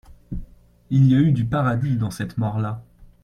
Il y a eu du paradis dans cette mort-là.